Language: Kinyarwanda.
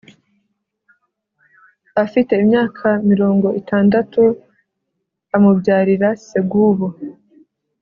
afite imyaka mirongo itandatu amubyarira segubu